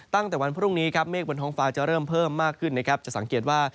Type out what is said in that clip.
ตั้งแต่วันพรุ่งนี้ครับเมฆบนท้องฟ้าจะเริ่มเพิ่มมากขึ้นนะครับจะสังเกตว่า